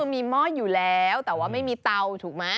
เพราะมีหม้ออยู่แล้ว